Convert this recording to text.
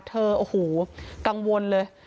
เธอโอ้โหกังวลเลย